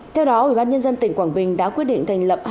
theo đó ủy ban nhân dân tỉnh quảng bình đã quyết định thành lập